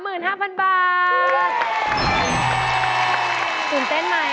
ตื่นเต้นไหมยิ่งข้อสูงขึ้นสนุกด้วย